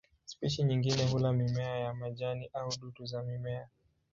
Spishi nyingine hula mimea ya majini au dutu za mimea.